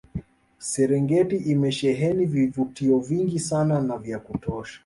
Serengeti imesheheni vivutio vingi sana na vya kutosha